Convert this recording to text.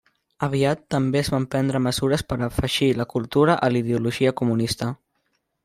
Aviat, també es van prendre mesures per afegir la cultura a la ideologia comunista.